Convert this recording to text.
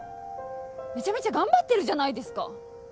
めちゃめちゃ頑張ってるじゃないですか。